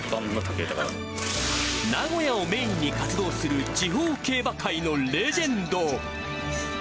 名古屋をメインに活動する、地方競馬界のレジェンド。